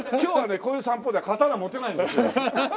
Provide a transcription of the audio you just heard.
こういう散歩では刀持てないんですよね。